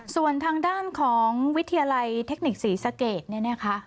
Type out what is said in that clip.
ส่วนทางด้านของวิทยาลัยเทคนิคศรีสะเกดเนี่ยนะคะ